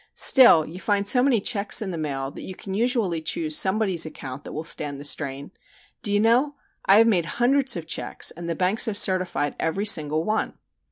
Still, you find so many checks in the mail that you can usually choose somebody's account that will stand the strain. Do you know, I have made hundreds of checks and the banks have certified every single one!"